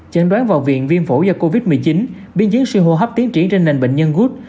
chấn đoán vào viện viêm phổ do covid một mươi chín biên giới suy hô hấp tiến trí trên nền bệnh nhân gút